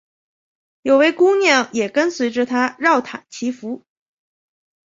有位姑娘也跟随着他饶塔祈福。